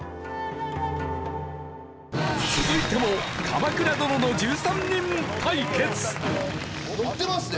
続いても『鎌倉殿の１３人』対決ノッてますね